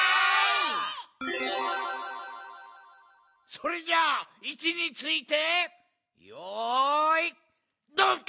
それじゃあいちについてよいドンカッパ！